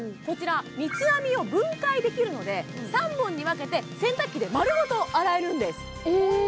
こちら三つ編みを分解できるので３本に分けて洗濯機で丸ごと洗えるんですえーっ